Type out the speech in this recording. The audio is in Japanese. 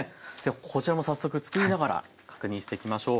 こちらも早速作りながら確認していきましょう。